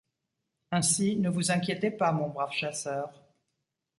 Ainsi, ne vous inquiétez pas, mon brave chasseur.